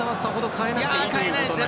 変えないですね。